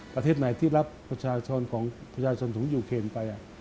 ประเทศไหนที่รับประชาชนยูเคนไป